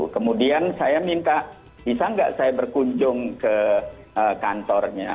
kemudian saya minta bisa nggak saya berkunjung ke kantornya